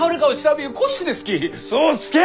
嘘をつけ！